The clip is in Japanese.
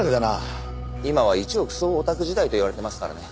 今は１億総オタク時代といわれてますからね。